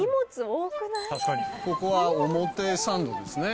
ここは表参道ですね。